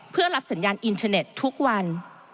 เพื่อรับสัญญาณอินเทอร์เน็ตทุกวัน